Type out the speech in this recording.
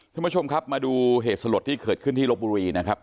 ท่านผู้ชมครับมาดูเหตุสลดที่เกิดขึ้นที่ลบบุรีนะครับ